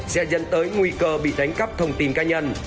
sẽ dẫn tới nguy cơ bị đánh cắp thông tin cá nhân